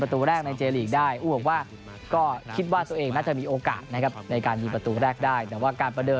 ไปเยือนสังฆันเทศุ